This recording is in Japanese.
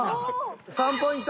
３ポイント。